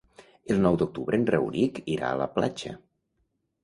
El nou d'octubre en Rauric irà a la platja.